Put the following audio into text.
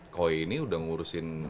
koi ini udah ngurusin